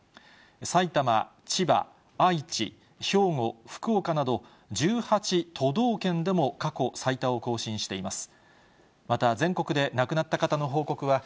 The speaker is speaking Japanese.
埼玉、千葉、愛知、兵庫、福岡など、１８都道県でも過去最多を更新しています。